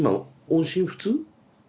音信不通？